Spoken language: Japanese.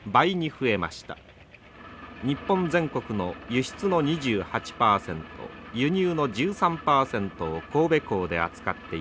日本全国の輸出の２８％輸入の１３％を神戸港で扱っています。